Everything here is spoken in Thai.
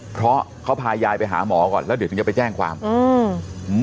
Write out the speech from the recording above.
เพราะเขาพายายไปหาหมอก่อนแล้วเดี๋ยวถึงจะไปแจ้งความอืม